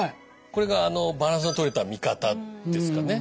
これがバランスのとれた見方ですかね。